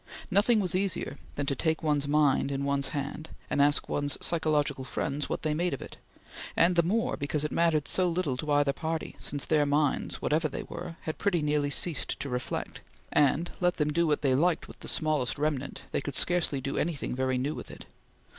Nothing was easier than to take one's mind in one's hand, and ask one's psychological friends what they made of it, and the more because it mattered so little to either party, since their minds, whatever they were, had pretty nearly ceased to reflect, and let them do what they liked with the small remnant, they could scarcely do anything very new with it.